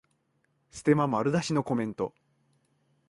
ステマ丸出しのコメント